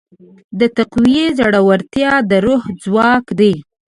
د تقوی زړورتیا د روح ځواک دی.